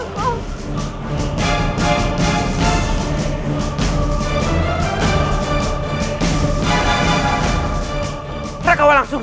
dengan ayah kebentuk ku